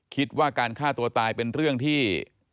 คิดว่าการฆ่าตัวตายเป็นเรื่องที่